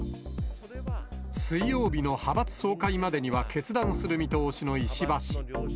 水曜日の派閥総会までには決断する見通しの石破氏。